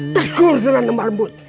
tegur dengan lembut